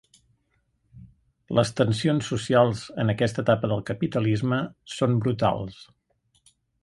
Les tensions socials en aquesta etapa del capitalisme són brutals.